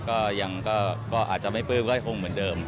ก็ยังก็อาจจะไม่เปลี่ยนก็จะคงเหมือนเดิม